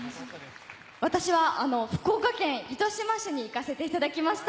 私は福岡県糸島市に行かせていただきました！